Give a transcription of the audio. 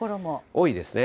多いですね。